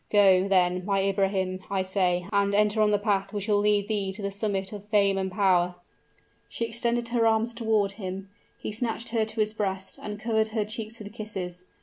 Go, then, my Ibrahim, I say, and enter on the path which will lead thee to the summit of fame and power!" She extended her arms toward him he snatched her to his breast, and covered her cheeks with kisses.